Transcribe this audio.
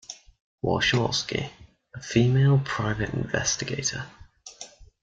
Warshawski, a female private investigator.